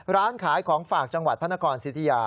ร้านขายของฝากจังหวัดพระนครสิทธิยา